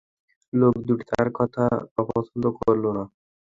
লোক দুটি তার কথা অপছন্দ করল না।